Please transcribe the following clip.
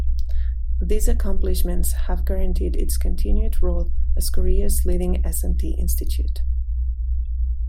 These accomplishments have guaranteed its continued role as Korea's leading S and T institute.